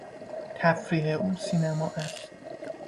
تفریح او سینما است.